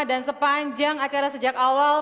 dan sepanjang acara sejak awal